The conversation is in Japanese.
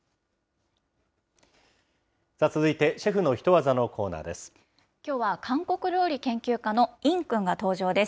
続いてシェフのヒトワザのコーナーです。